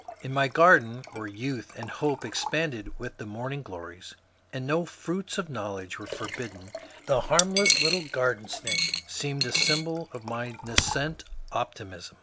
Li my garden, where youth and hope expanded with the morning glories, and no fruits of knowledge were forbidden, the harmless little garden snake seemed a symbol of my nas cent optimism.